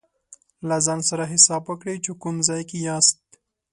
له ځان سره حساب وکړئ چې کوم ځای کې یاست.